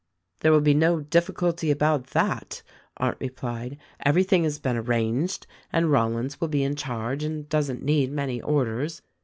"There will be no difficulty about that," Arndt replied. "Everything has been arranged, and Rollins will be in charge and doesn't need many orders.